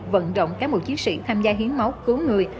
vận động cán bộ chiến sĩ tham gia hiến máu cứu người